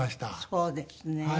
そうですね。